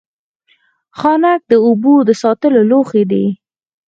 ښانک د اوبو د ساتلو لوښی دی